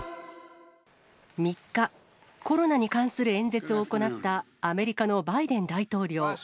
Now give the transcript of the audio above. ３日、コロナに関する演説を行ったアメリカのバイデン大統領。